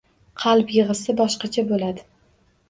Qalb yig‘isi boshqacha bo‘ladi.